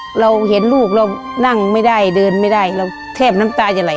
เราเห็นลูกเรานั่งไม่ได้เดินไม่ได้เราแทบน้ำตาจะไหล